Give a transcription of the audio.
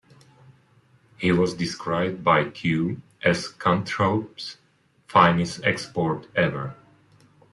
He was described by "Q" as "Scunthorpe's finest export... ever".